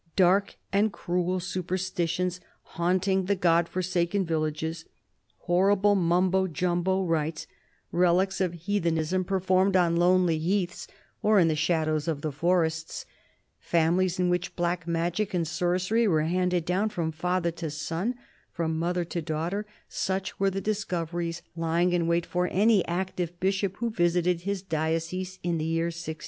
Dark and cruel superstitions haunting the God forsaken villages ; horrible Mumbo Jumbo rites, relics of heathenism, 44 CARDINAL DE RICHELIEU performed on lonely heaths or in the shadow of the forests ; families in which black magic and sorcery were handed down from father to son, from mother to daughter — such were the discoveries lying in wait for any active bishop who visited his diocese in the year 1609.